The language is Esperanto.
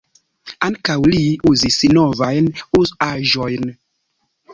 Ankaŭ li uzis "novajn" Oz-aĵojn.